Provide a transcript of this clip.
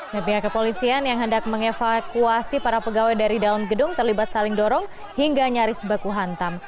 nah pihak kepolisian yang hendak mengevakuasi para pegawai dari dalam gedung terlibat saling dorong hingga nyaris baku hantam